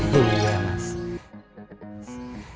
tunggu dulu ya mas